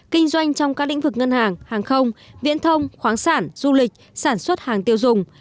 kinh doanh trong các lĩnh vực ngân hàng hàng không viễn thông khoáng sản du lịch sản xuất hàng tiêu dùng